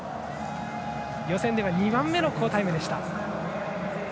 予選では２番目の好タイムでした。